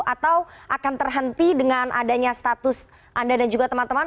atau akan terhenti dengan adanya status anda dan juga teman teman